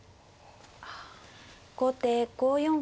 後手５四角。